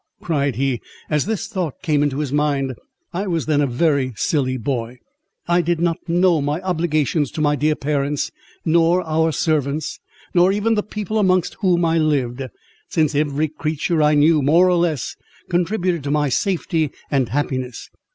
cried he, as this thought came into his mind, "I was then a very silly boy: I did not know my obligations to my dear parents, nor our servants, nor even the people amongst whom I lived, since every creature I knew, more or less, contributed to my safety and happiness.